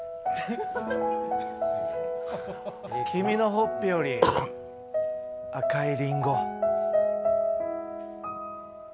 君のほっぺより赤いりんご。